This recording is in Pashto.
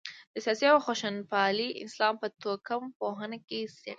د سیاسي او خشونتپالي اسلام په توکم پوهنه کې څېړلای.